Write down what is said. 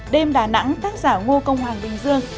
đêm đà nẵng tác giả ngô công hoàng bình dương